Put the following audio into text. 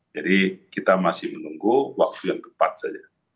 jadi kita masih menunggu waktu yang tepat saja